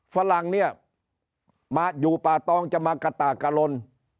ฝรั่งเนี่ยมาอยู่ป่าตองจะมากะตากะลน